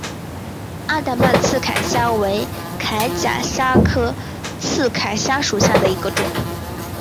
安达曼刺铠虾为铠甲虾科刺铠虾属下的一个种。